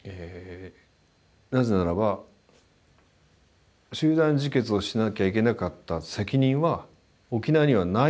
なぜならば集団自決をしなきゃいけなかった責任は沖縄にはないので。